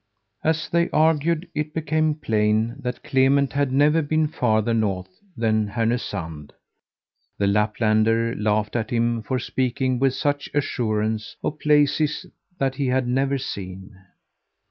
As they argued, it became plain that Clement had never been farther north than Härnösand. The Laplander laughed at him for speaking with such assurance of places that he had never seen.